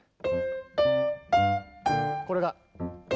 これが。